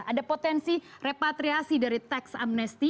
ada potensi repatriasi dari tax amnesty